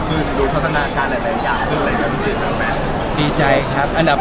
ขึ้นดูพัฒนาอากาศอะไรขึ้นอะไรดีใจครับอันดับ